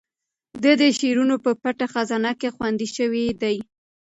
د ده شعرونه په پټه خزانه کې خوندي شوي دي.